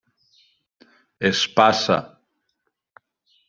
Es passa.